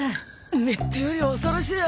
ネットより恐ろしい！